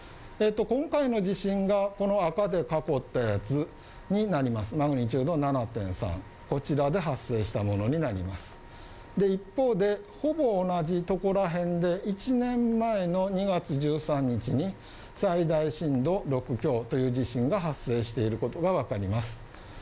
今回の地震がこの赤で囲ったやつになりますマグニチュード７．３、こちらで発生したものになります一方で、ほぼ同じとこら辺で１年前の２月１３日に最大震度６強という地震が発生していることがわかります